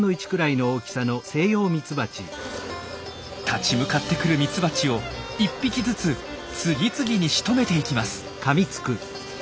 立ち向かってくるミツバチを１匹ずつ次々にしとめていきます。